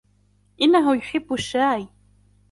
انه يحب الشاي.